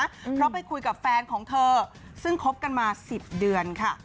เพราะไปคุยกับแฟนของเธอซึ่งคบกันมาสิบเดือนค่ะ